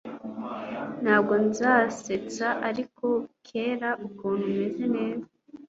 Ntabwo nzasetsa Ariko reba ukuntu meze neza